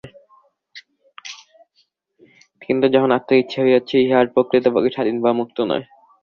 কিন্তু যখন আত্মার ইচ্ছা হইয়াছে, ইহা আর প্রকৃতপক্ষে স্বাধীন বা মুক্ত নয়।